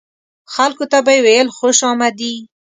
خلکو ته به یې ویل خوش آمدي.